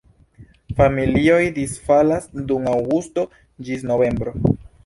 Familioj disfalas dum aŭgusto ĝis novembro.